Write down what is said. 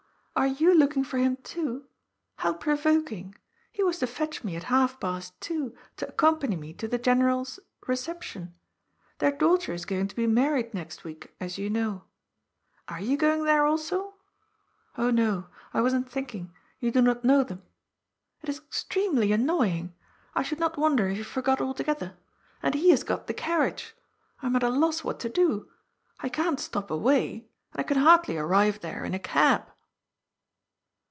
are you looking for him too? How pro voking. He was to fetch me at half past two to accompany me to the General's reception. Their daughter is going to be married next week, as you know. Are you going there also ? Oh no, I wasn't thinking ; you do not know them. 398 GOI>'S FOOL, It is extremely annoying! I'shoald not wonder if' he for got altogether. And he has got the carriage. I am at a loss what to do. I can't stop away. And I can hardly arrive there in a cab.''